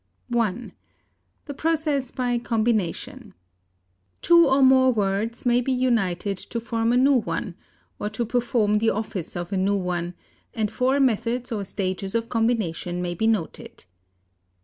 I. THE PROCESS BY COMBINATION. Two or more words may be united to form a new one, or to perform the office of a new one, and four methods or stages of combination may be noted.